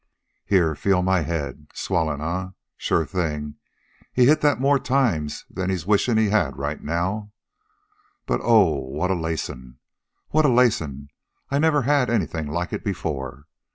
Here, feel my head here. Swollen, eh? Sure thing. He hit that more times than he's wishin' he had right now. But, oh, what a lacin'! What a lacin'! I never had anything like it before.